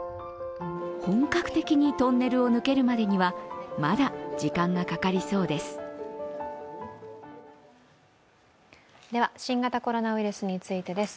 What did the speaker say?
本格的にトンネルを抜けるまでには、まだ時間がかかりそうです。